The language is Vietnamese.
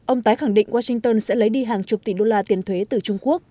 ông tái khẳng định washington sẽ lấy đi hàng chục tỷ đô la tiền thuế từ trung quốc